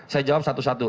saya jawab satu satu